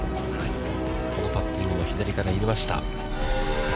このパッティングも左から入れました。